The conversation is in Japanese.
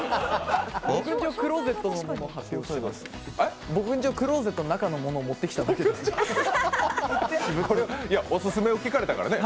僕んちのクローゼットの中の物を持ってきただけですね。